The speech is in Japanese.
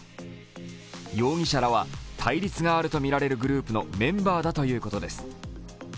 容疑者らは対立があるとみられるグループのメンバーだということです。